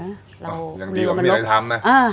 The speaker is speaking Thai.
อย่างดีกว่าไม่มีอะไรทำนะ